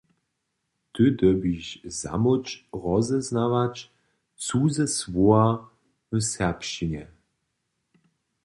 Ty dyrbiš zamóc rozeznawać cuze słowa w serbšćinje.